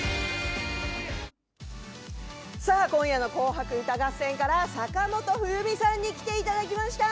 今夜の「紅白歌合戦」から坂本冬美さんに来ていただきました。